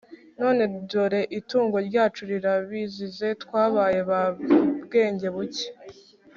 none dore itungo ryacu rirabizize. twabaye ba bwengebuke!